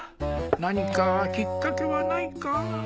何かきっかけはないか？